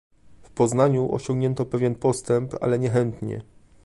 W Poznaniu osiągnięto pewien postęp, ale niechętnie